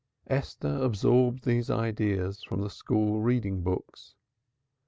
Esther absorbed these ideas from the school reading books.